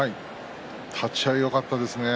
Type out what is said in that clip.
立ち合いよかったですね。